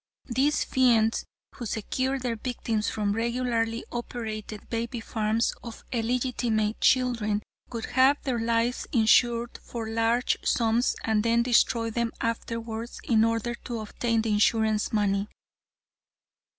These fiends, who secured their victims from regularly operated baby farms of illegitimate children, would have their lives insured for large sums and then destroy them afterwards, in order to obtain the insurance money."